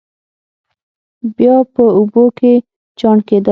بیا په اوبو کې چاڼ کېدل.